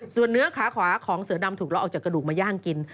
ส่วนเนื้อขาขวาของเสือดำถูกเราออกจากกระดูกมาย่างกิน